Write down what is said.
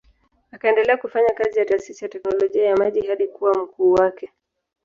Akaendelea kufanya kazi ya taasisi ya teknolojia ya maji hadi kuwa mkuu wake.